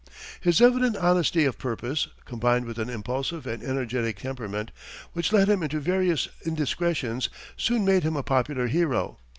His evident honesty of purpose, combined with an impulsive and energetic temperament, which led him into various indiscretions, soon made him a popular hero.